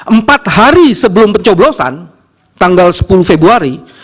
empat hari sebelum pencoblosan tanggal sepuluh februari